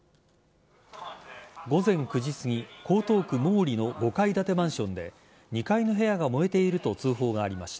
午前９時すぎ江東区毛利の５階建てマンションで２階の部屋が燃えていると通報がありました。